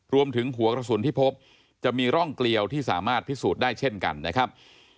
รวมถึงหัวกระสุนที่พบจะมีร่องเกลียวที่สามารถพิสูจน์ได้เช่นกันนะครับ